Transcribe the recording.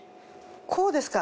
こうですか。